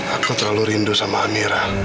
aku terlalu rindu sama amira